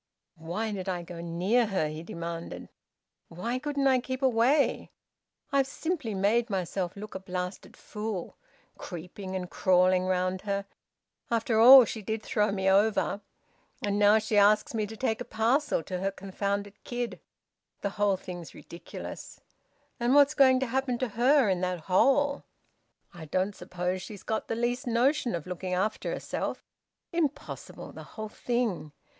"Why did I go near her?" he demanded. "Why couldn't I keep away? I've simply made myself look a blasted fool! Creeping and crawling round her! ... After all, she did throw me over! And now she asks me to take a parcel to her confounded kid! The whole thing's ridiculous! And what's going to happen to her in that hole? I don't suppose she's got the least notion of looking after herself. Impossible the whole thing!